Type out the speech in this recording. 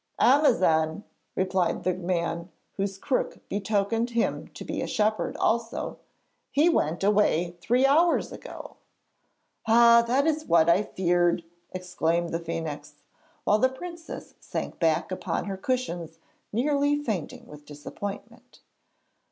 'Amazan!' replied the man whose crook betokened him to be a shepherd also; 'he went away three hours ago .' 'Ah, that is what I feared!' exclaimed the phoenix, while the princess sank back upon her cushions nearly fainting with disappointment.